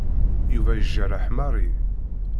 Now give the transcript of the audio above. Yuba yejreḥ Mary.